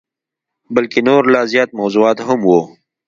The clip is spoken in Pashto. بلکه نور لا زیات موضوعات هم وه.